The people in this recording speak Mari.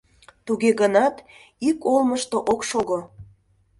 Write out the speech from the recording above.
Туге гынат ик олмышто ок шого.